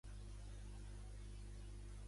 Va servir també com a seu de la Policia Nacional.